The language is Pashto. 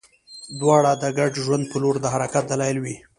دواړه د ګډ ژوند په لور د حرکت دلایل وي.